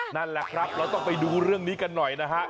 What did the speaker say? นั่นแหละครับเราต้องไปดูเรื่องนี้กันหน่อยนะฮะ